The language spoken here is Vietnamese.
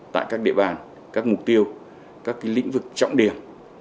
tại các địa bàn các mục tiêu các lĩnh vực trọng điểm